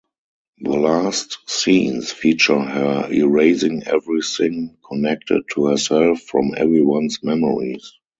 The last scenes feature her erasing everything connected to herself from everyone's memories.